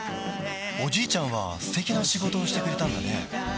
おじいちゃんは素敵な仕事をしてくれたんだね